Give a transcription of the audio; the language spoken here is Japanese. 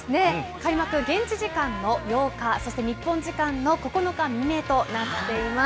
開幕、現地時間の８日、そして日本時間の９日未明となっています。